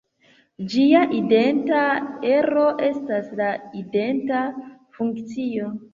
Ĝia identa ero estas la identa funkcio.